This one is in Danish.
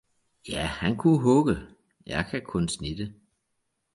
ja han kunne hugge, jeg kan kun snitte!